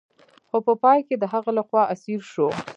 خو په پای کې د هغه لخوا اسیر شو.